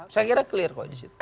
saya kira clear kok disitu